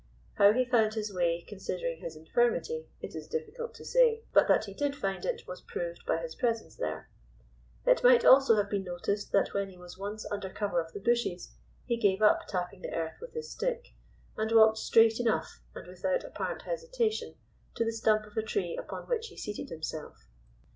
How he found his way, considering his infirmity, it is difficult to say, but that he did find it was proved by his presence there. It might also have been noticed that when he was once under cover of the bushes he gave up tapping the earth with his stick, and walked straight enough, and without apparent hesitation, to the stump of a tree upon which he seated himself.